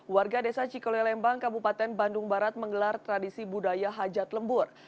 warga desa cikolelembang kabupaten bandung barat menggelar tradisi budaya hajat lembur